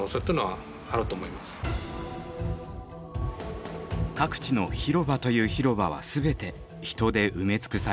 各地の広場という広場は全て人で埋め尽くされました。